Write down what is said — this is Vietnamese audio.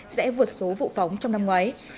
sẽ vượt số vụ phóng trong năm ngoái